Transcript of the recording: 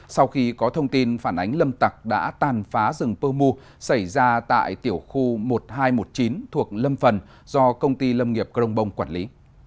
sau khi có thông tin phản ánh lâm tặc đã tàn phá rừng pơ mu xảy ra tại tiểu khu một nghìn hai trăm một mươi chín thuộc lâm phần do công ty lâm nghiệp grong bông quản lý